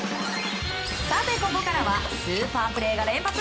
さてここからはスーパープレーが連発。